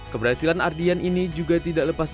keberhasilan ardian ini juga tidak lepas